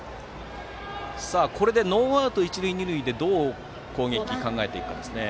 これでノーアウト一塁二塁でどう攻撃を考えていくかですね。